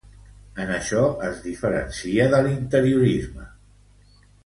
En això es diferencia de l'interiorisme.